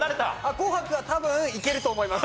『紅白』は多分いけると思います。